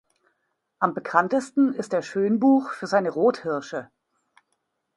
Am bekanntesten ist der Schönbuch für seine Rothirsche.